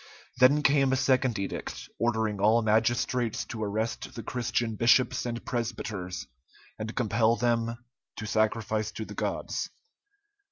Then came a second edict, ordering all magistrates to arrest the Christian bishops and presbyters, and compel them to sacrifice to the gods.